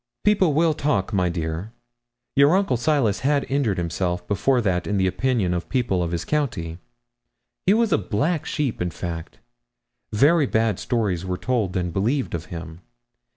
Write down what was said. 'People will talk, my dear. Your uncle Silas had injured himself before that in the opinion of the people of his county. He was a black sheep, in fact. Very bad stories were told and believed of him.